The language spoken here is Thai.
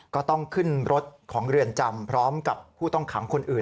ก็ต้องขึ้นรถของเรือนจำพร้อมกับผู้ต้องขังคนอื่น